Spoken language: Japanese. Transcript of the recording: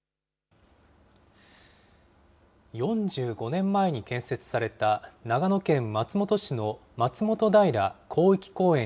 ４５年前に建設された、長野県松本市の松本平広域公園